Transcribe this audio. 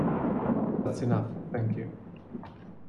That's enough, thank you.